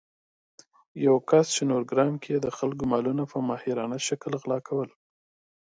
یو کس چې نورګرام کې يې د خلکو مالونه په ماهرانه شکل غلا کول